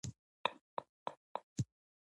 زده کړې نجونې د باور پر بنسټ اړيکې جوړوي.